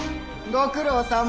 ご苦労さま。